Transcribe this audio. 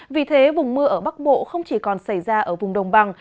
vì thế vùng mưa ở bắc bộ không chỉ còn xảy ra ở vùng đồng bằng